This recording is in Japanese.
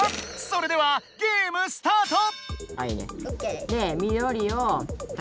それではゲームスタート！